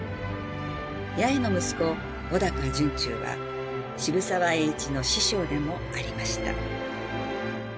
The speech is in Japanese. やへの息子尾高惇忠は渋沢栄一の師匠でもありました。